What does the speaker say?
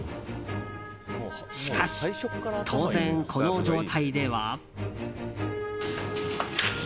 しかし、当然この状態では。